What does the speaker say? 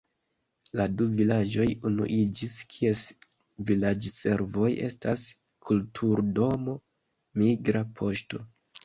La du vilaĝoj unuiĝis, kies vilaĝservoj estas kulturdomo, migra poŝto.